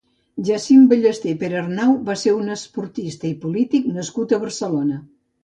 Jacint Ballesté Perarnau va ser un esportista i polític nascut a Barcelona.